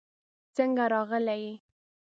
څنګه راغلې؟